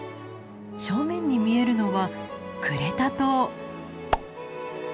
正面に見えるのはクレタ島。